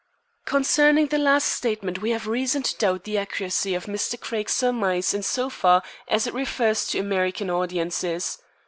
Concerning the last statement we have reason to doubt the accuracy of Mr. Craig's surmise in so far as it refers to American audiences.